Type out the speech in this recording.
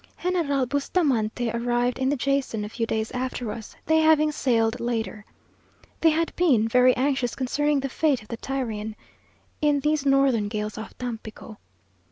General Bustamante arrived in the Jason, a few days after us, they having sailed later. They had been very anxious concerning the fate of the Tyrian, in these northern gales off Tampico.